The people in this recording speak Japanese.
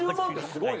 すごい！